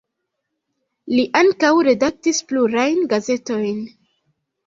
Li ankaŭ redaktis plurajn gazetojn.